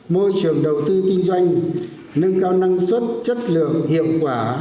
môi trường đầu tư kinh doanh nâng cao năng suất chất lượng hiệu quả